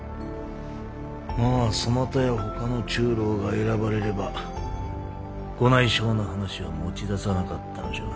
まぁそなたやほかの中臈が選ばれればご内証の話は持ち出さなかったのじゃがな。